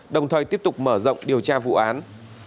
đồng thời tiếp tục mở rộng điều tra vụ án